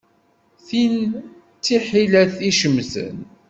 Tin d tiḥilet icemten.